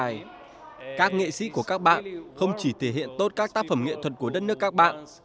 với các bạn lâu dài các nghệ sĩ của các bạn không chỉ thể hiện tốt các tác phẩm nghệ thuật của đất nước các bạn